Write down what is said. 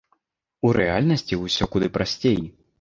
У рэальнасці ўсё куды прасцей.